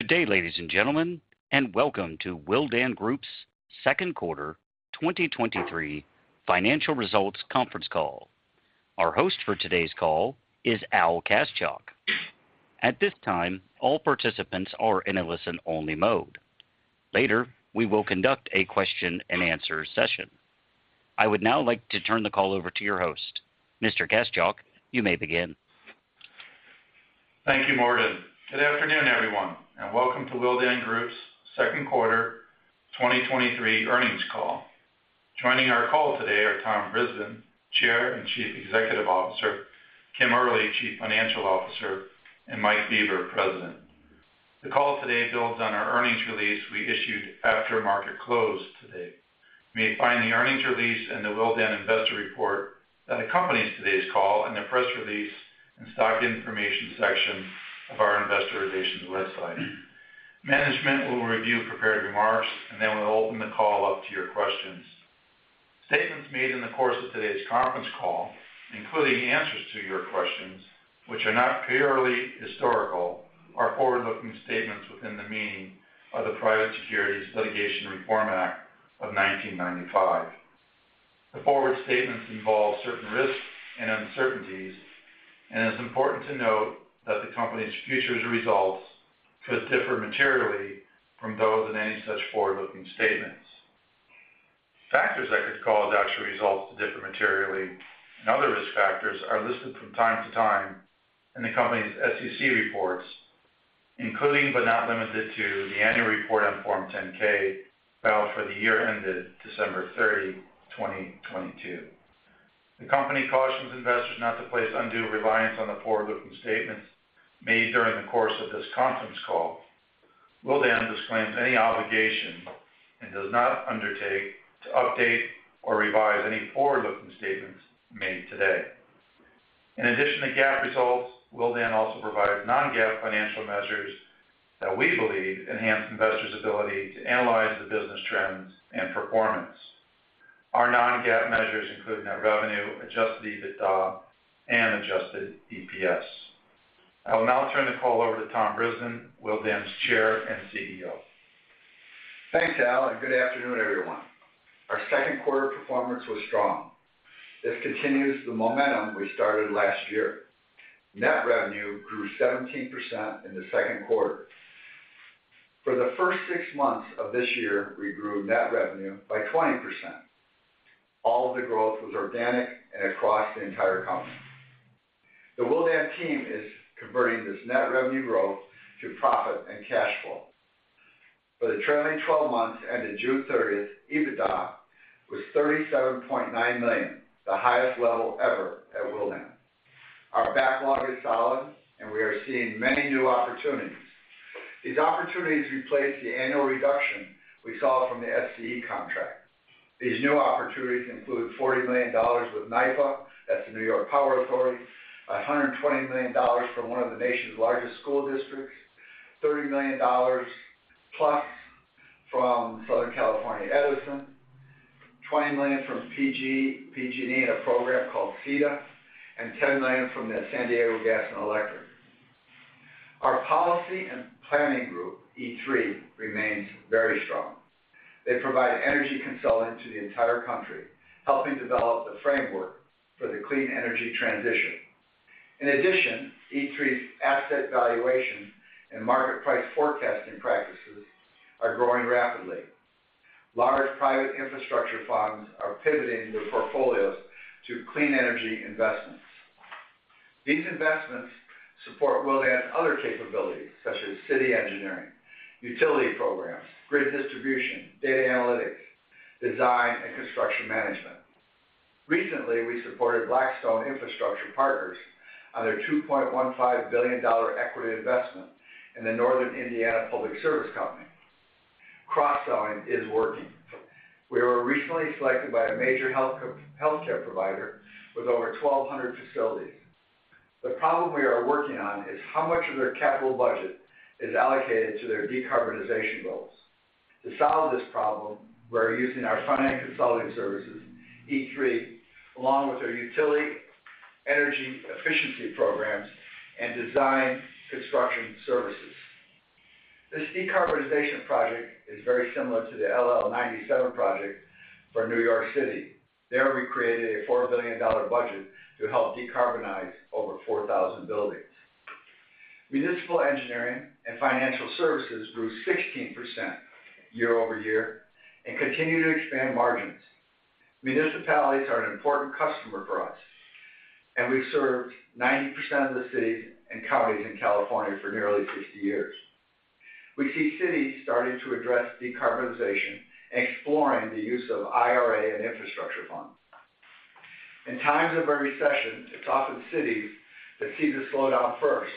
Good day, ladies and gentlemen, and welcome to Willdan Group's second quarter 2023 financial results conference call. Our host for today's call is Al Kaschalk. At this time, all participants are in a listen-only mode. Later, we will conduct a question-and-answer session. I would now like to turn the call over to your host. Mr. Kaschalk, you may begin. Thank you, Morton. Good afternoon, everyone, and welcome to Willdan Group's second quarter 2023 earnings call. Joining our call today are Tom Brisbin, Chair and Chief Executive Officer, Kim Early, Chief Financial Officer, and Mike Bieber, President. The call today builds on our earnings release we issued after market close today. You may find the earnings release and the Willdan investor report that accompanies today's call in the press release and stock information section of our investor relations website. Management will review prepared remarks, and then we'll open the call up to your questions. Statements made in the course of today's conference call, including answers to your questions, which are not purely historical, are forward-looking statements within the meaning of the Private Securities Litigation Reform Act of 1995. The forward statements involve certain risks and uncertainties, and it's important to note that the company's future results could differ materially from those in any such forward-looking statements. Factors that could cause actual results to differ materially and other risk factors are listed from time to time in the company's SEC reports, including, but not limited to, the annual report on Form 10-K filed for the year ended December 30, 2022. The company cautions investors not to place undue reliance on the forward-looking statements made during the course of this conference call. Willdan disclaims any obligation and does not undertake to update or revise any forward-looking statements made today. In addition to GAAP results, Willdan also provides non-GAAP financial measures that we believe enhance investors' ability to analyze the business trends and performance. Our non-GAAP measures include net revenue, adjusted EBITDA, and adjusted EPS. I will now turn the call over to Tom Brisbin, Willdan's Chair and CEO. Thanks, Al. Good afternoon, everyone. Our second quarter performance was strong. This continues the momentum we started last year. Net revenue grew 17% in the second quarter. For the first six months of this year, we grew net revenue by 20%. All of the growth was organic and across the entire company. The Willdan team is converting this net revenue growth to profit and cash flow. For the trailing 12 months ended June 30th, EBITDA was $37.9 million, the highest level ever at Willdan. Our backlog is solid, and we are seeing many new opportunities. These opportunities replace the annual reduction we saw from the SCE contract. These new opportunities include $40 million with NYPA, that's the New York Power Authority, $120 million from one of the nation's largest school districts, +$30 million from Southern California Edison, $20 million from PG&E in a program called CEDA, and $10 million from the San Diego Gas & Electric. Our policy and planning group, E3, remains very strong. They provide energy consulting to the entire country, helping develop the framework for the clean energy transition. In addition, E3's asset valuation and market price forecasting practices are growing rapidly. Large private infrastructure funds are pivoting their portfolios to clean energy investments. These investments support Willdan's other capabilities, such as city engineering, utility programs, grid distribution, data analytics, design and construction management. Recently, we supported Blackstone Infrastructure Partners on their $2.15 billion equity investment in the Northern Indiana Public Service Company. Cross-selling is working. We were recently selected by a major health care, healthcare provider with over 1,200 facilities. The problem we are working on is how much of their capital budget is allocated to their decarbonization goals. To solve this problem, we're using our financial consulting services, E3, along with our utility energy efficiency programs and design construction services. This decarbonization project is very similar to the LL97 project for New York City. There, we created a $4 billion budget to help decarbonize over 4,000 buildings. Municipal engineering and financial services grew 16% year-over-year and continue to expand margins. Municipalities are an important customer for us. We've served 90% of the cities and counties in California for nearly 60 years. We see cities starting to address decarbonization and exploring the use of IRA and infrastructure funds. In times of a recession, it's often cities that see the slowdown first,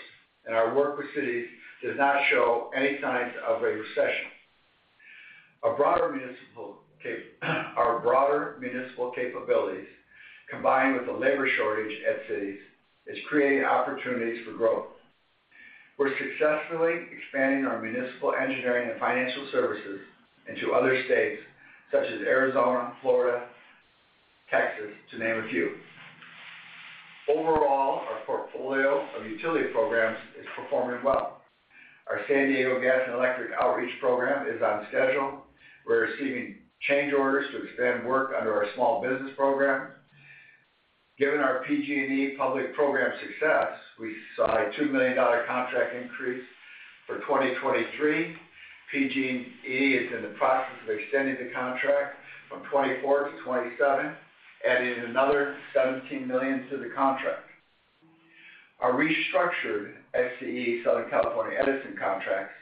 and our work with cities does not show any signs of a recession. Our broader municipal capabilities, combined with the labor shortage at cities, is creating opportunities for growth. We're successfully expanding our municipal engineering and financial services into other states such as Arizona, Florida, Texas, to name a few. Our portfolio of utility programs is performing well. Our San Diego Gas and Electric outreach program is on schedule. We're receiving change orders to expand work under our small business program. Given our PG&E public program success, we saw a $2 million contract increase for 2023. PG&E is in the process of extending the contract from 2024-2027, adding another $17 million to the contract. Our restructured SCE, Southern California Edison contracts,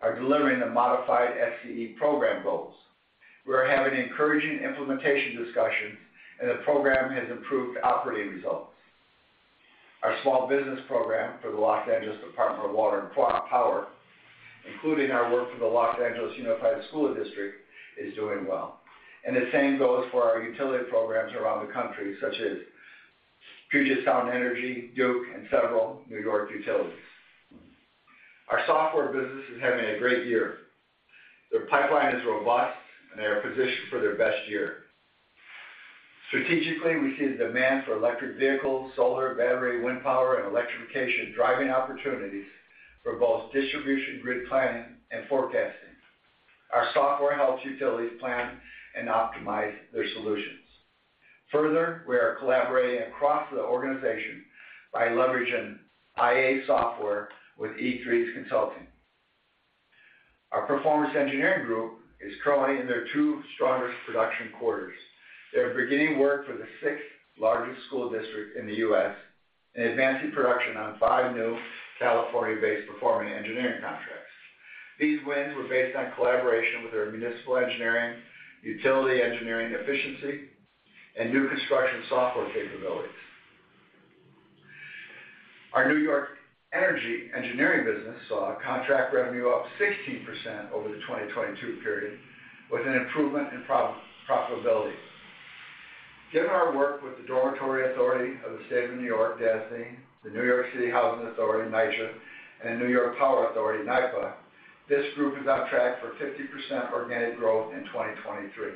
are delivering the modified SCE program goals. We are having encouraging implementation discussions, and the program has improved operating results. Our small business program for the Los Angeles Department of Water and Power, including our work for the Los Angeles Unified School District, is doing well, and the same goes for our utility programs around the country, such as Puget Sound Energy, Duke, and several New York utilities. Our software business is having a great year. Their pipeline is robust, and they are positioned for their best year. Strategically, we see the demand for electric vehicles, solar, battery, wind power, and electrification, driving opportunities for both distribution, grid planning, and forecasting. Our software helps utilities plan and optimize their solutions. Further, we are collaborating across the organization by leveraging IA software with E3's consulting. Our performance engineering group is currently in their two strongest production quarters. They're beginning work for the sixth-largest school district in the U.S. and advancing production on five new California-based performing engineering contracts. These wins were based on collaboration with our municipal engineering, utility engineering efficiency, and new construction software capabilities. Our New York energy engineering business saw contract revenue up 16% over the 2022 period, with an improvement in profitability. Given our work with the Dormitory Authority of the State of New York, DASNY, the New York City Housing Authority, NYCHA, and New York Power Authority, NYPA, this group is on track for 50% organic growth in 2023.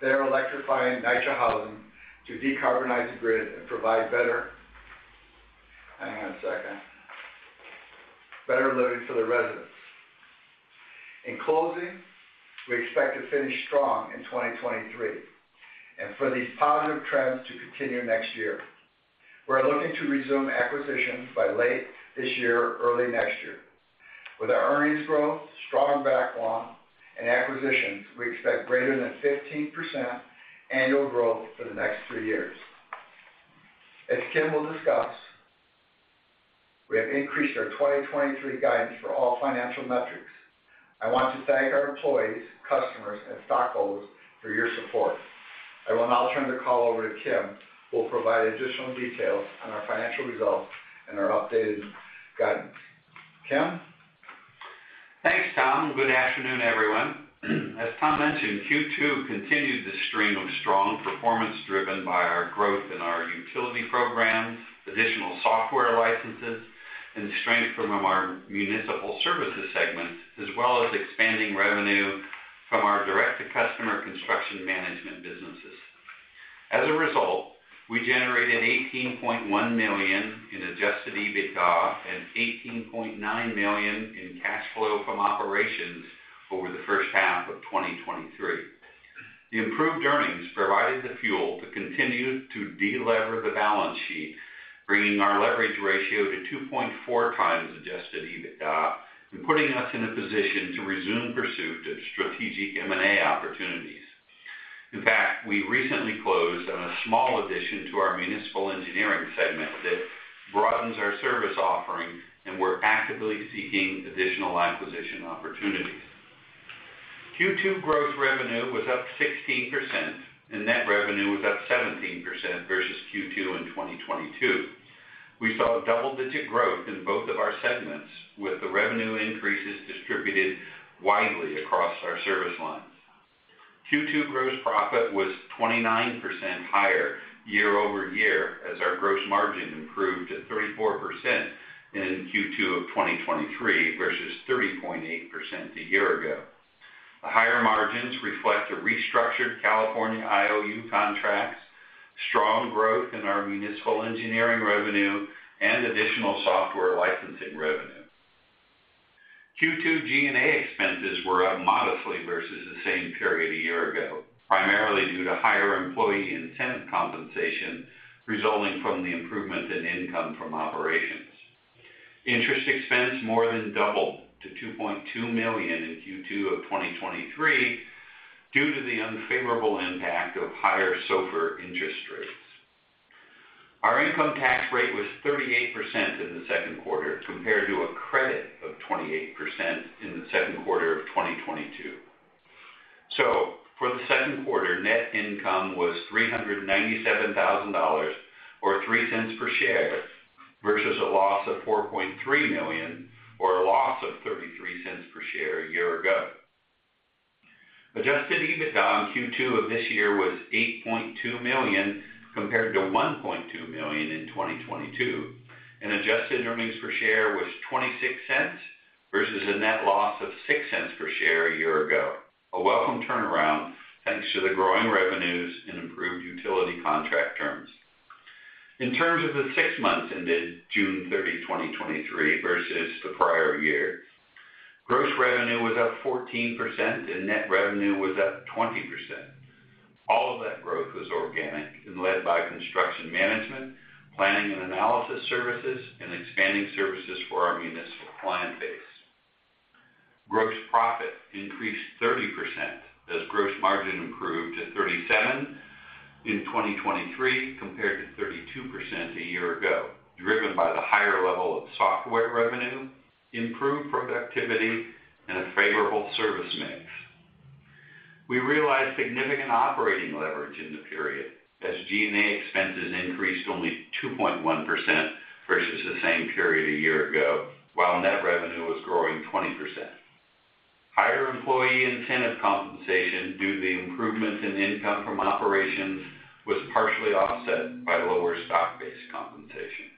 They are electrifying NYCHA housing to decarbonize the grid and provide better... Hang on a second. Better living for the residents. In closing, we expect to finish strong in 2023 and for these positive trends to continue next year. We're looking to resume acquisitions by late this year or early next year. With our earnings growth, strong backlog, and acquisitions, we expect greater than 15% annual growth for the next three years. As Kim will discuss, we have increased our 2023 guidance for all financial metrics. I want to thank our employees, customers, and stockholders for your support. I will now turn the call over to Kim, who will provide additional details on our financial results and our updated guidance. Kim? Thanks, Tom. Good afternoon, everyone. As Tom mentioned, Q2 continued the stream of strong performance, driven by our growth in our utility programs, additional software licenses, and strength from our municipal services segment, as well as expanding revenue from our direct-to-customer construction management businesses. As a result, we generated $18.1 million in adjusted EBITDA and $18.9 million in cash flow from operations over the first half of 2023. The improved earnings provided the fuel to continue to delever the balance sheet, bringing our leverage ratio to 2.4x adjusted EBITDA and putting us in a position to resume pursuit of strategic M&A opportunities. In fact, we recently closed on a small addition to our municipal engineering segment that broadens our service offering, and we're actively seeking additional acquisition opportunities. Q2 growth revenue was up 16%, net revenue was up 17% versus Q2 in 2022. We saw double-digit growth in both of our segments, with the revenue increases distributed widely across our service lines. Q2 gross profit was 29% higher year-over-year as our gross margin improved to 34% in Q2 of 2023 versus 30.8% a year ago. The higher margins reflect the restructured California IOU contracts, strong growth in our municipal engineering revenue, and additional software licensing revenue. Q2 G&A expenses were up modestly versus the same period a year ago, primarily due to higher employee incentive compensation, resulting from the improvement in income from operations. Interest expense more than doubled to $2.2 million in Q2 of 2023 due to the unfavorable impact of higher SOFR interest rates. Our income tax rate was 38% in the second quarter, compared to a credit of 28% in the second quarter of 2022. For the second quarter, net income was $397,000 or $0.03 per share, versus a loss of $4.3 million or a loss of $0.33 per share a year ago. Adjusted EBITDA in Q2 of this year was $8.2 million, compared to $1.2 million in 2022, and adjusted earnings per share was $0.26 versus a net loss of $0.06 per share a year ago. A welcome turnaround, thanks to the growing revenues and improved utility contract terms. In terms of the six months ended June 30, 2023 versus the prior year, gross revenue was up 14% and net revenue was up 20%. All of that growth was organic and led by construction management, planning and analysis services, and expanding services for our municipal client base. Gross profit increased 30% as gross margin improved to 37% in 2023, compared to 32% a year ago, driven by the higher level of software revenue, improved productivity, and a favorable service mix. We realized significant operating leverage in the period as G&A expenses increased only 2.1% versus the same period a year ago, while net revenue was growing 20%. Higher employee incentive compensation due to the improvements in income from operations, was partially offset by lower stock-based compensation.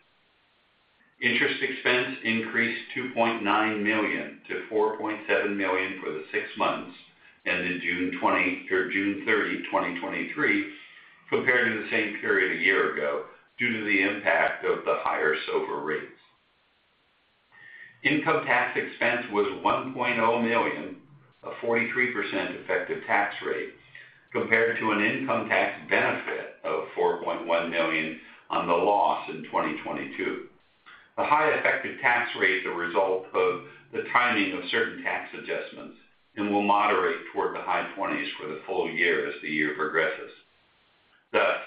Interest expense increased $2.9 million to $4.7 million for the 6 months, ended June 30, 2023, compared to the same period a year ago, due to the impact of the higher SOFR rates. Income tax expense was $1.0 million, a 43% effective tax rate, compared to an income tax benefit of $4.1 million on the loss in 2022. The high effective tax rate is a result of the timing of certain tax adjustments and will moderate toward the high 20s for the full year as the year progresses. Thus,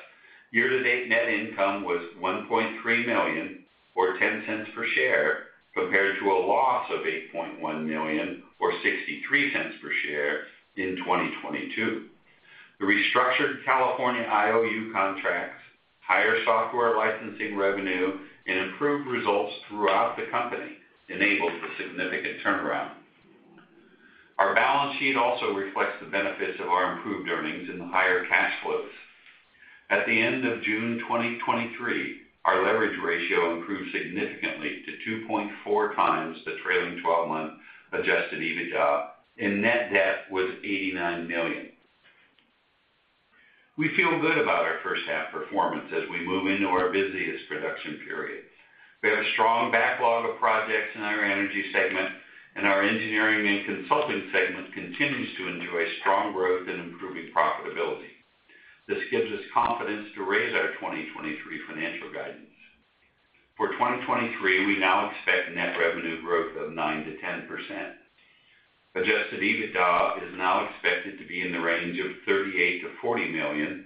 year-to-date net income was $1.3 million, or $0.10 per share, compared to a loss of $8.1 million, or $0.63 per share in 2022. The restructured California IOU contracts, higher software licensing revenue, and improved results throughout the company enabled a significant turnaround. Our balance sheet also reflects the benefits of our improved earnings and the higher cash flows. At the end of June 2023, our leverage ratio improved significantly to 2.4 times the trailing 12-month adjusted EBITDA, and net debt was $89 million. We feel good about our first half performance as we move into our busiest production period. We have a strong backlog of projects in our energy segment, and our engineering and consulting segment continues to enjoy strong growth and improving profitability. This gives us confidence to raise our 2023 financial guidance. For 2023, we now expect net revenue growth of 9%-10%. Adjusted EBITDA is now expected to be in the range of $38 million-$40 million,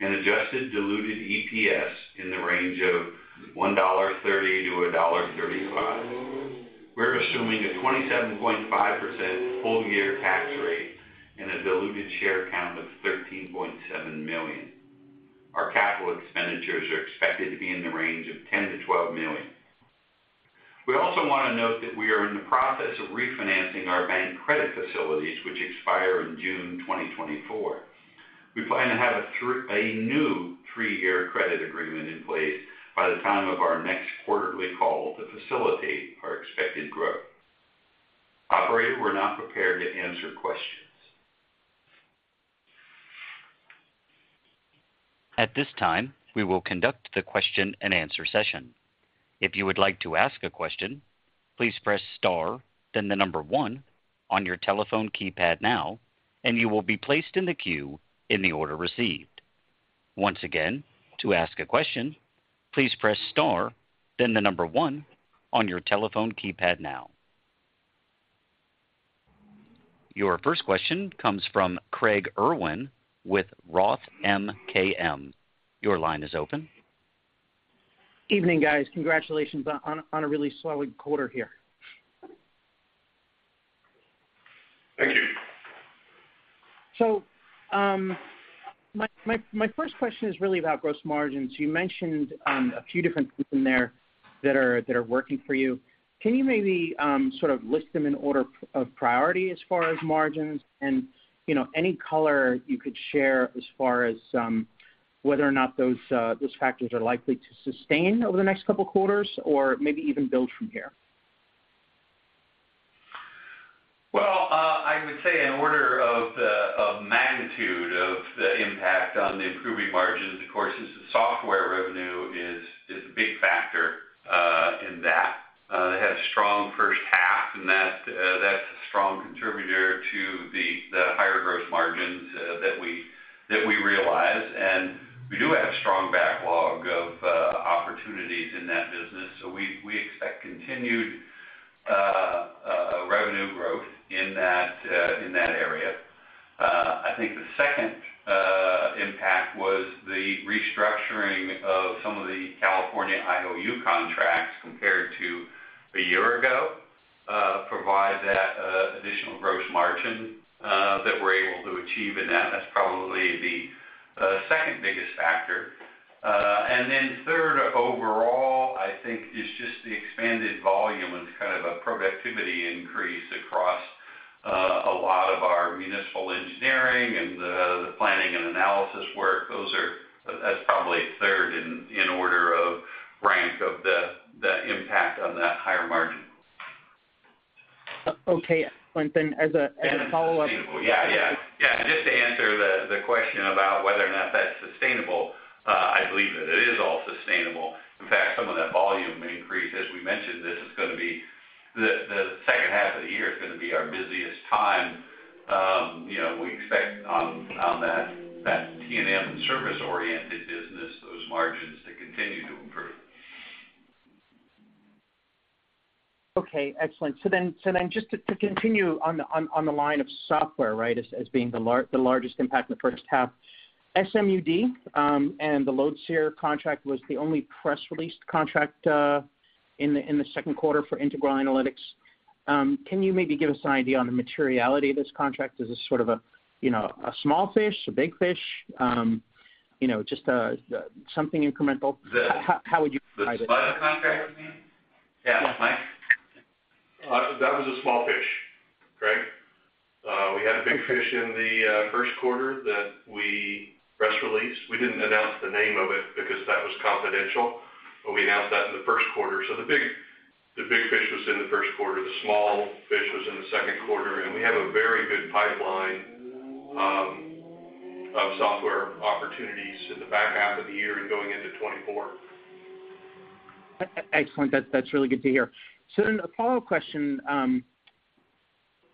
and adjusted diluted EPS in the range of $1.30-$1.35. We're assuming a 27.5% full-year tax rate and a diluted share count of 13.7 million. Our capital expenditures are expected to be in the range of $10 million-$12 million. We also want to note that we are in the process of refinancing our bank credit facilities, which expire in June 2024. We plan to have a new 3-year credit agreement in place by the time of our next quarterly call to facilitate our expected growth. Operator, we're now prepared to answer questions. At this time, we will conduct the question-and-answer session. If you would like to ask a question, please press star, then the number 1 on your telephone keypad now, and you will be placed in the queue in the order received. Once again, to ask a question, please press star, then the number 1 on your telephone keypad now. Your first question comes from Craig Irwin with Roth MKM. Your line is open. Evening, guys. Congratulations on, on a really solid quarter here. Thank you. My first question is really about gross margins. You mentioned a few different things in there that are, that are working for you. Can you maybe sort of list them in order of priority as far as margins? And, you know, any color you could share as far as whether or not those factors are likely to sustain over the next couple of quarters or maybe even build from here? Well, I would say in order of the magnitude of the impact on the improving margins, of course, is the software revenue is a big factor in that. It had a strong first half, and that's a strong contributor to the higher gross margins that we realized. We do have strong backlog of opportunities in that business, so we expect continued revenue growth in that area. I think the second impact was the restructuring of some of the California IOU contracts compared to a year ago, provide that additional gross margin that we're able to achieve, and that is probably the second biggest factor. Third, overall, I think, is just the expanded volume and kind of a productivity increase. across, a lot of our municipal engineering and the, the planning and analysis work. that's probably third in, in order of rank of the, the impact on that higher margin. Okay, excellent. As a, as a follow-up... Yeah, yeah. Yeah, just to answer the, the question about whether or not that's sustainable, I believe that it is all sustainable. In fact, some of that volume may increase. As we mentioned, this is gonna be the, the second half of the year is gonna be our busiest time. you know, we expect on, on that, that T&M service-oriented business, those margins to continue to improve. Excellent. Just to continue on the line of software, right, as being the largest impact in the first half, SMUD, and the LoadSEER contract was the only press-released contract in the second quarter for Integral Analytics. Can you maybe give us an idea on the materiality of this contract? Is this sort of a, you know, a small fish, a big fish? You know, something incremental. How would you describe it? The contract, you mean? Yeah, Mike? That was a small fish, Greg. We had a big fish in the first quarter that we press released. We didn't announce the name of it because that was confidential, but we announced that in the first quarter. The big, the big fish was in the first quarter. The small fish was in the second quarter, and we have a very good pipeline of software opportunities in the back half of the year and going into 2024. Excellent. That's, that's really good to hear. A follow-up question.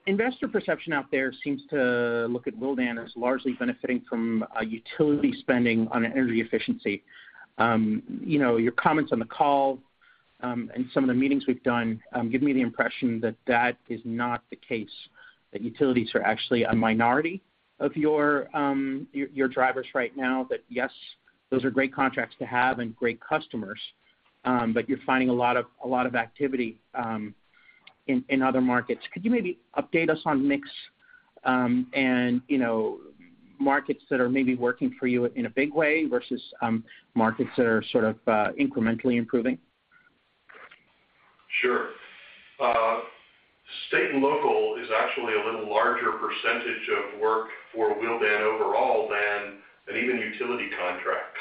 Investor perception out there seems to look at Willdan as largely benefiting from utility spending on energy efficiency. You know, your comments on the call, and some of the meetings we've done, give me the impression that that is not the case, that utilities are actually a minority of your, your, your drivers right now. That, yes, those are great contracts to have and great customers, but you're finding a lot of, a lot of activity, in, in other markets. Could you maybe update us on mix, and, you know, markets that are maybe working for you in a big way versus, markets that are sort of, incrementally improving? Sure. State and local is actually a little larger percentage of work for Willdan overall than, than even utility contracts.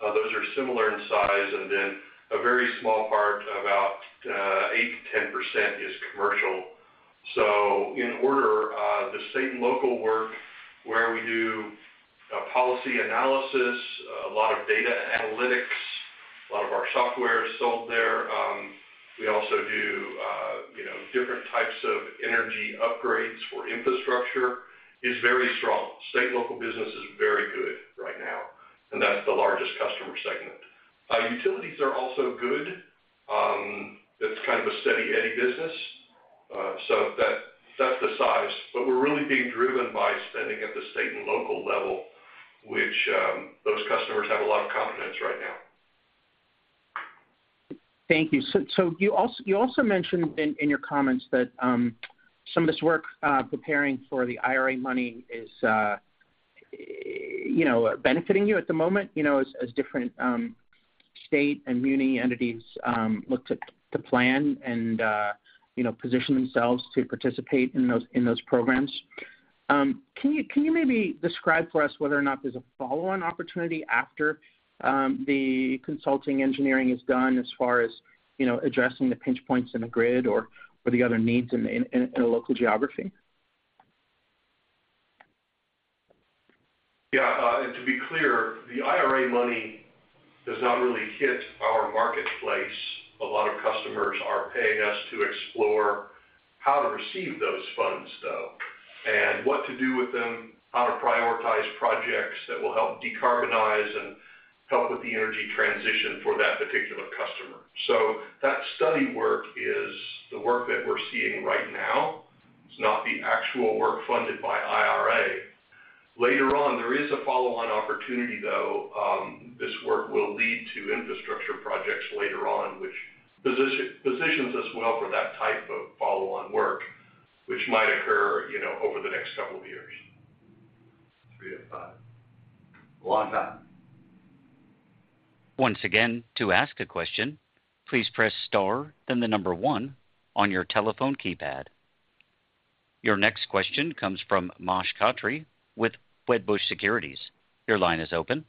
Those are similar in size, a very small part, about 8%-10% is commercial. In order, the state and local work, where we do policy analysis, a lot of data analytics, a lot of our software is sold there. We also do, you know, different types of energy upgrades for infrastructure, is very strong. State and local business is very good right now, that's the largest customer segment. Utilities are also good. That's kind of a steady Eddie business, that's the size. We're really being driven by spending at the state and local level, which, those customers have a lot of confidence right now. Thank you. So you also, you also mentioned in, in your comments that some of this work, preparing for the IRA money is, you know, benefiting you at the moment, you know, as, as different, state and muni entities, look to, to plan and, you know, position themselves to participate in those, in those programs. Can you, can you maybe describe for us whether or not there's a follow-on opportunity after the consulting engineering is done as far as, you know, addressing the pinch points in the grid or, or the other needs in, in, in a local geography? Yeah, to be clear, the IRA money does not really hit our marketplace. A lot of customers are paying us to explore how to receive those funds, though, and what to do with them, how to prioritize projects that will help decarbonize and help with the energy transition for that particular customer. That study work is the work that we're seeing right now. It's not the actual work funded by IRA. Later on, there is a follow-on opportunity, though. This work will lead to infrastructure projects later on, which positions us well for that type of follow-on work, which might occur, you know, over the next couple of years. 3-5. Long time. Once again, to ask a question, please press star, then the number one on your telephone keypad. Your next question comes from Moshe Katri with Wedbush Securities. Your line is open.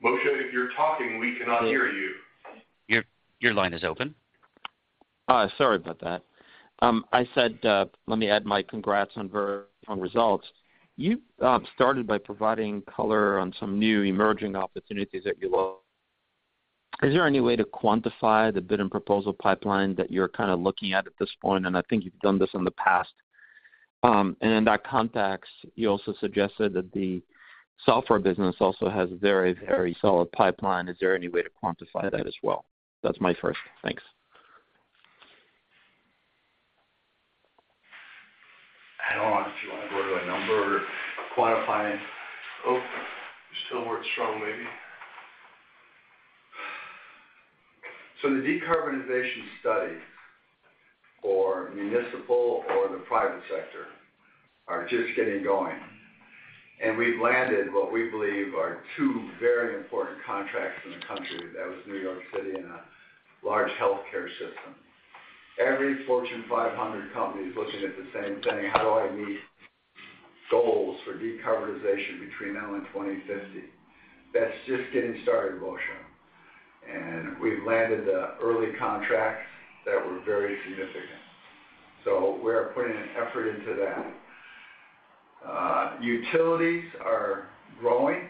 Mosh, if you're talking, we cannot hear you. Your, your line is open. Sorry about that. I said, let me add my congrats on results. You started by providing color on some new emerging opportunities that you love. Is there any way to quantify the bid and proposal pipeline that you're kind of looking at at this point? I think you've done this in the past. In that context, you also suggested that the software business also has a very, very solid pipeline. Is there any way to quantify that as well? That's my first. Thanks. I don't know if you want to go to a number quantifying. Oh, still word strong, maybe? The decarbonization study for municipal or the private sector are just getting going, and we've landed what we believe are 2 very important contracts in the country. That was New York City and a large healthcare system. Every Fortune 500 company is looking at the same thing: How do I meet goals for decarbonization between now and 2050? That's just getting started, Moshe, and we've landed the early contracts that were very significant. We are putting an effort into that. Utilities are growing,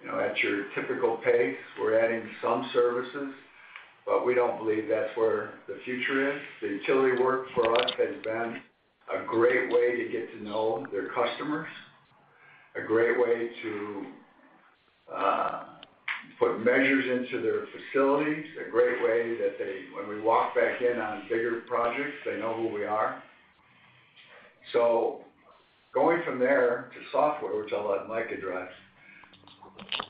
you know, at your typical pace. We're adding some services, but we don't believe that's where the future is. The utility work for us has been a great way to get to know their customers, a great way to put measures into their facilities, a great way that when we walk back in on bigger projects, they know who we are. Going from there to software, which I'll let Mike address,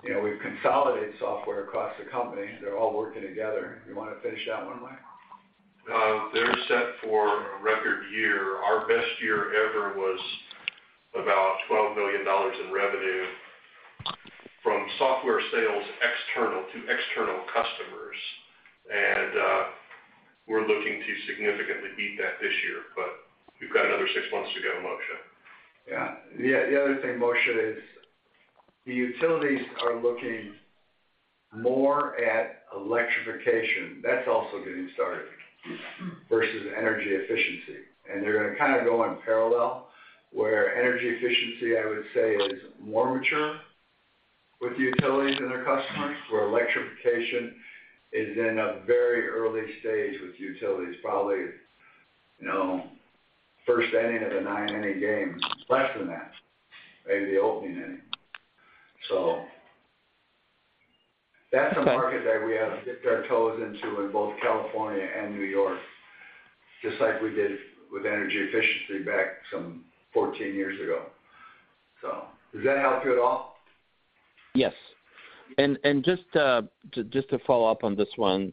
you know, we've consolidated software across the company. They're all working together. You want to finish that one, Mike? They're set for a record year. Our best year ever was about $12 million in revenue from software sales external, to external customers, and we're looking to significantly beat that this year, but we've got another six months to go, Moshe. Yeah. The, the other thing, Moshe, is the utilities are looking more at electrification, that's also getting started, versus energy efficiency. They're gonna kind of go in parallel, where energy efficiency, I would say, is more mature with utilities and their customers, where electrification is in a very early stage with utilities, probably, you know, first inning of a nine-inning game. Less than that, maybe the opening inning. That's a market that we have dipped our toes into in both California and New York, just like we did with energy efficiency back some 14 years ago. Does that help you at all? Yes. And, just, to, just to follow up on this one,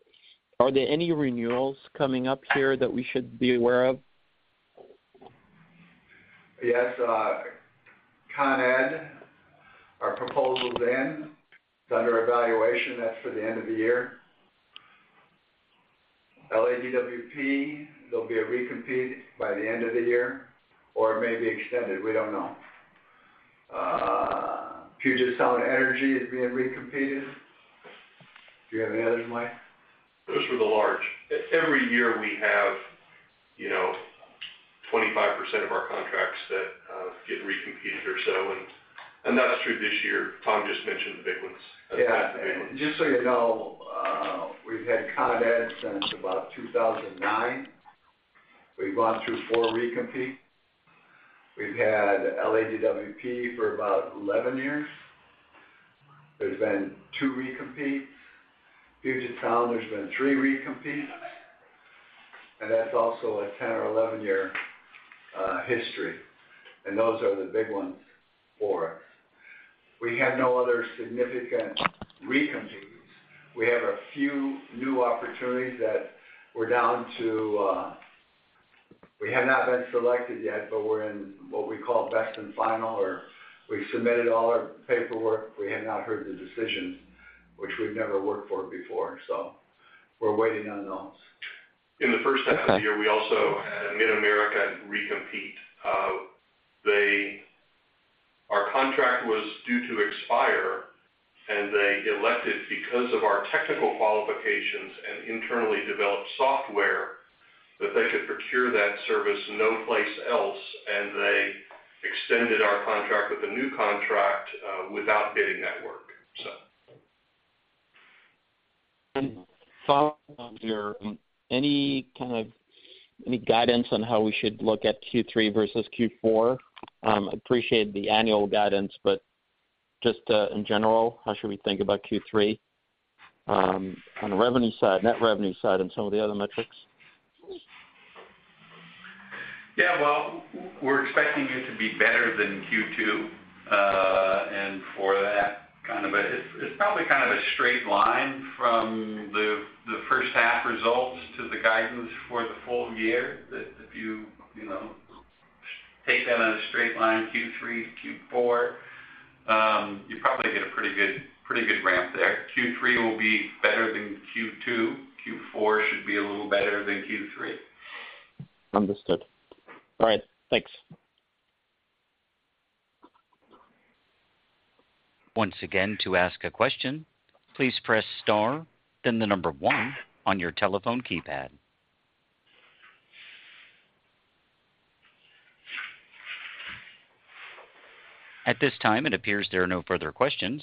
are there any renewals coming up here that we should be aware of? Yes, Con Ed, our proposal's in. It's under evaluation. That's for the end of the year. LADWP, there'll be a recompete by the end of the year, or it may be extended, we don't know. Puget Sound Energy is being recompeted. Do you have any others, Mike? Those were the large. Every year we have, you know, 25% of our contracts that get recompeted or so, and that's true this year. Tom just mentioned the big ones. Yeah. The big ones. Just so you know, we've had Con Ed since about 2009. We've gone through 4 recompetes. We've had LADWP for about 11 years. There's been 2 recompetes. Puget Sound, there's been 3 recompetes, and that's also a 10 or 11-year history, and those are the big ones for us. We have no other significant recompetes. We have a few new opportunities that we're down to. We have not been selected yet, but we're in what we call best and final, or we've submitted all our paperwork. We have not heard the decision, which we've never worked for before, so we're waiting on those. In the first half of the year, we also had MidAmerican recompete. Our contract was due to expire, and they elected, because of our technical qualifications and internally developed software, that they could procure that service no place else, and they extended our contract with a new contract, without bidding that work. Tom, any kind of, any guidance on how we should look at Q3 versus Q4? Appreciate the annual guidance, but just, in general, how should we think about Q3, on the revenue side, net revenue side and some of the other metrics? Yeah, well, we're expecting it to be better than Q2. For that, kind of a, it's, it's probably kind of a straight line from the, the first half results to the guidance for the full year, that if you, you know, take that on a straight line, Q3 to Q4, you probably get a pretty good, pretty good ramp there. Q3 will be better than Q2. Q4 should be a little better than Q3. Understood. All right, thanks. Once again, to ask a question, please press star, then the number one on your telephone keypad. At this time, it appears there are no further questions.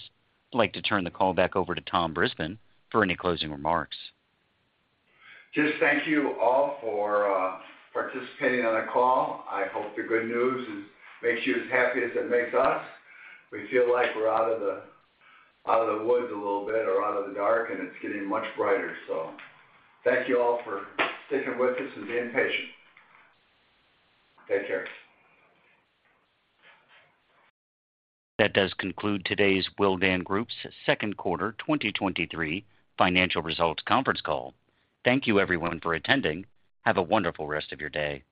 I'd like to turn the call back over to Tom Brisbin for any closing remarks. Just thank you all for participating on the call. I hope the good news makes you as happy as it makes us. We feel like we're out of the, out of the woods a little bit, or out of the dark, and it's getting much brighter. Thank you all for sticking with us and being patient. Take care. That does conclude today's Willdan Group's second-quarter 2023 financial results conference call. Thank you, everyone, for attending. Have a wonderful rest of your day.